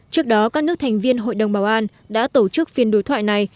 trước đó các nước thành viên hội đồng bảo an đã tổ chức phiên đối thoại này